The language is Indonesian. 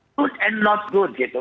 baik dan tidak baik